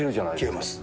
消えます。